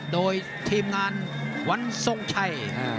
โดยทีมงานวันทรงชัย